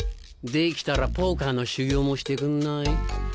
できたらポーカーの修業もしてくんない？